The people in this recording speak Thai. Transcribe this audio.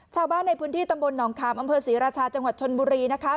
ชาวบ้านในพื้นที่ตำบลหนองขามอำเภอศรีราชาจังหวัดชนบุรีนะคะ